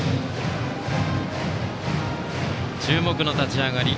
注目の立ち上がり。